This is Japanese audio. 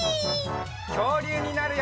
きょうりゅうになるよ！